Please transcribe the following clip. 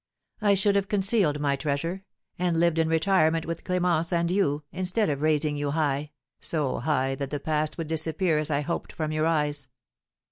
I should have concealed my treasure, and lived in retirement with Clémence and you, instead of raising you high, so high that the past would disappear as I hoped from your eyes."